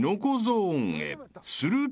［すると］